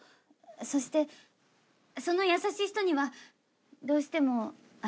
そしてその優しい人にはどうしても会えないんです。